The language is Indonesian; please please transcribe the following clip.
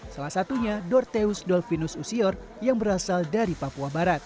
salah satunya dorteus dolfinus usior yang berasal dari papua barat